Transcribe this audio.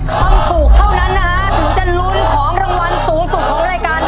ถูกเท่านั้นนะฮะถึงจะลุ้นของรางวัลสูงสุดของรายการ